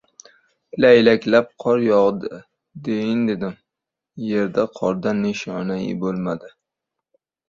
Laylaklab qor yog‘di, deyin dedim — yerda qordan nishoia bo‘lmadi.